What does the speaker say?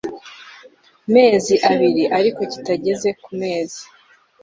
mezi abiri ariko kitageze ku mezi